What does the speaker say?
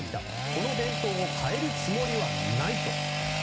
この伝統を変えるつもりはないと。